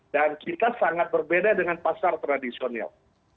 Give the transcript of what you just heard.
dan kita sangat berbeda dengan pasar tradisional